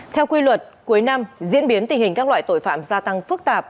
theo quy luật cuối năm diễn biến tình hình các loại tội phạm gia tăng phức tạp